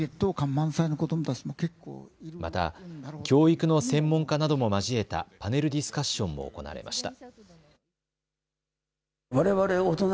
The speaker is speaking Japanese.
また教育の専門家なども交えたパネルディスカッションも行われました。